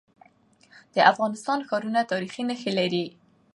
د افغانستان ښارونه تاریخي نښي لري.